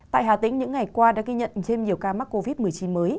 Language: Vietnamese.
tại hà tĩnh những ngày qua đã ghi nhận thêm nhiều ca mắc covid một mươi chín mới